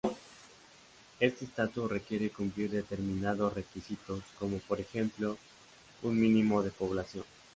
Este estatus requiere cumplir determinados requisitos, como por ejemplo un mínimo de población.